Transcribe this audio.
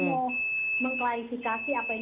mau mengklarifikasi apa yang